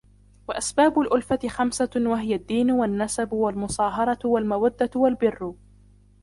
وَأَسْبَابُ الْأُلْفَةِ خَمْسَةٌ وَهِيَ الدِّينُ وَالنَّسَبُ وَالْمُصَاهَرَةُ وَالْمَوَدَّةُ وَالْبِرُّ